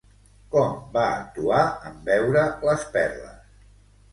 Com va actuar en veure les perles?